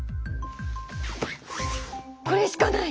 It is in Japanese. これしかない！